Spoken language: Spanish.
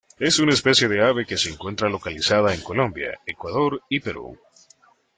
Es una especie de ave que se encuentra localizada en Colombia, Ecuador y Perú.